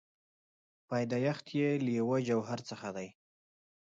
پیدایښت یې له یوه جوهر څخه دی.